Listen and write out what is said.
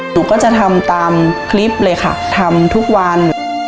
หนูก็จะทำตามคลิปเลยค่ะทำทุกวัน